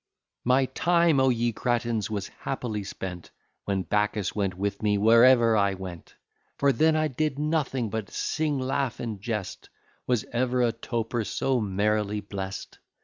My time, O ye Grattans, was happily spent, When Bacchus went with me, wherever I went; For then I did nothing but sing, laugh, and jest; Was ever a toper so merrily blest?